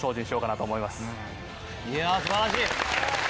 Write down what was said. いや素晴らしい。